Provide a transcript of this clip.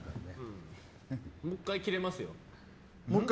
もう１回切れますよ。